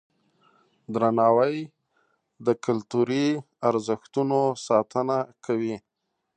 درناوی د کلتوري ارزښتونو ساتنه کوي.